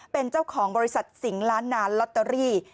เป็นเจ้าของบริษัทสิงห์ล้านนานลอตเตอรี่